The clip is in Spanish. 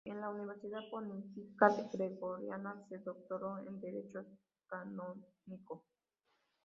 En la Universidad Pontificia Gregoriana se doctoró en Derecho Canónico.